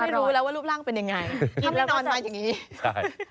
ก็ไม่รู้แล้วว่ารูปร่างเป็นยังไง